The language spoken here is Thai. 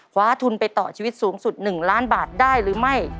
คว้าทุนไปต่อชีวิตสูงสุด๑ล้านบาทได้หรือไม่